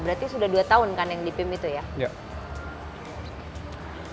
berarti sudah dua tahun kan yang dipim itu ya